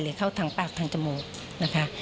เข้าทางปากทางจมูกนะคะ